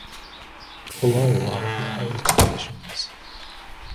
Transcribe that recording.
Below are the proposed conditions.